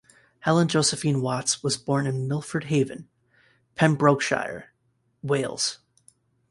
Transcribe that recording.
Helen Josephine Watts was born in Milford Haven, Pembrokeshire, Wales.